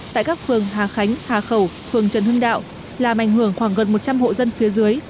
tại các phường hà khánh hà khẩu phường trần hưng đạo làm ảnh hưởng khoảng gần một trăm linh hộ dân phía dưới